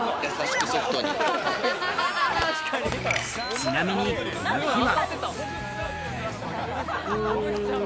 ちなみに、この日は。